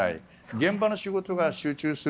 現場の仕事が集中する。